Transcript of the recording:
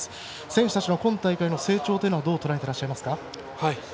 選手たちの今大会での成長をどうとらえていらっしゃいますか。